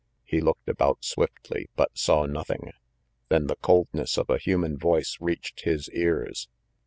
He looked about swiftly, but saw nothing. Then the coldness of a human voice reached his ears.